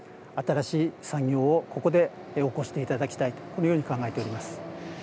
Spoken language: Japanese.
新しい産業をここで興していただきたい、このように考えておりま